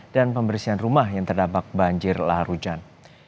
dan pembersihan rumah yang terdapat banjir lahar hujan